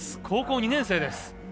高校２年生です。